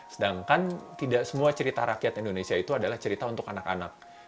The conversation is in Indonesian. sedangkan tidak semua cerita rakyat indonesia itu adalah cerita untuk anak anak